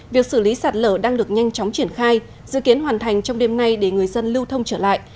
việc xử lý sạt lở đang được nhanh chóng triển khai dự kiến hoàn thành trong đêm nay để người dân lưu thông trở lại